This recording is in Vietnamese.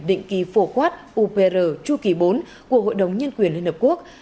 định kỳ phổ quát upr chu kỳ bốn của hội đồng nhân quyền liên hợp quốc